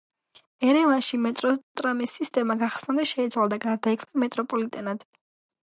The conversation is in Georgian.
ერევანში მეტროტრამის სისტემა გახსნამდე შეიცვალა და გარდაიქმნა მეტროპოლიტენად.